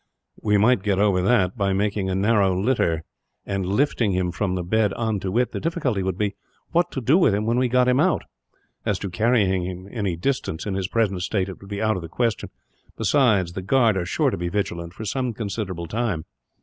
"We might get over that, by making a narrow litter," Stanley said, "and lifting him from the bed on to it. The difficulty would be, what to do with him when we got him out? As to carrying him any distance, in his present state it would be out of the question; besides, the guard are sure to be vigilant, for some considerable time.